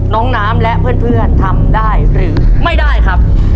น้องน้ำและเพื่อนทำได้หรือไม่ได้ครับ